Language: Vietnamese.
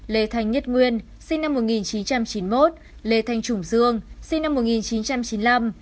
lê thanh nhất nguyên sinh năm một nghìn chín trăm chín mươi một lê thanh trùng dương sinh năm một nghìn chín trăm chín mươi năm